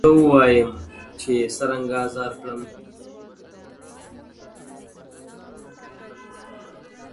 څه ووایم چي یې څرنګه آزار کړم!!